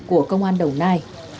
của công an đồng nai